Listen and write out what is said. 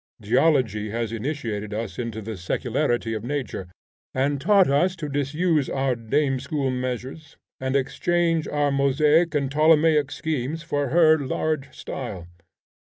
Geology has initiated us into the secularity of nature, and taught us to disuse our dame school measures, and exchange our Mosaic and Ptolemaic schemes for her large style.